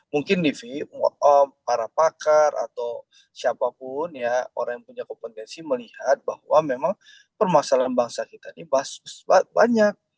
mungkin para pakar atau siapapun ya orang yang punya kompetensi melihat bahwa memang permasalahan bangsa kita ini banyak